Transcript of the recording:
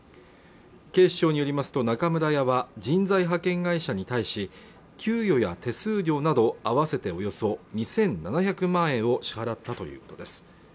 警視庁によりますと中村屋は人材派遣会社に対し給与や手数料など合わせておよそ２７００万円を支払ったということです